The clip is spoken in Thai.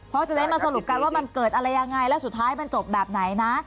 เพราะจะได้มาสรุปกันว่ามันเกิดอะไรยังไงแล้วสุดท้ายมันจบแบบไหนนะ